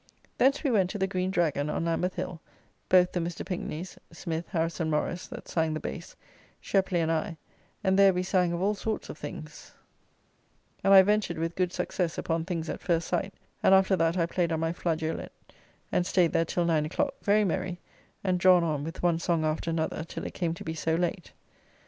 Thence we went to the Green Dragon, on Lambeth Hill, both the Mr. Pinkney's, Smith, Harrison, Morrice, that sang the bass, Sheply and I, and there we sang of all sorts of things, and I ventured with good success upon things at first sight, and after that I played on my flageolet, and staid there till nine o'clock, very merry and drawn on with one song after another till it came to be so late.